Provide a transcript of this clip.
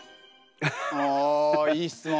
おいい質問。